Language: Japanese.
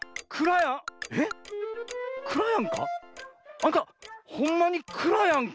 あんたほんまにくらやんか？」。